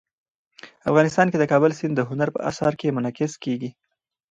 افغانستان کې د کابل سیند د هنر په اثار کې منعکس کېږي.